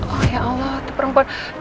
oh ya allah itu perempuan